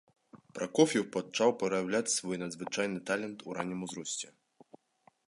Пракоф'еў пачаў праяўляць свой надзвычайны талент у раннім узросце.